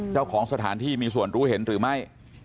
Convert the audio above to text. เจ้าของสถานที่มีส่วนรู้เห็นหรือไม่